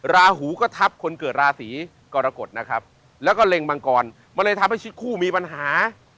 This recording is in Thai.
ราหูก็ทับคนเกิดราศีกรกฎนะครับแล้วก็เล็งมังกรมันเลยทำให้ชิดคู่มีปัญหา